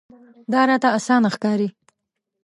دا راته اسانه ښکاري.